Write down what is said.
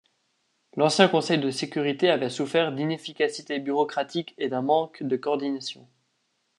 L'ancien Conseil de sécurité avait souffert d'inefficacités bureaucratiques et d'un manque de coordination.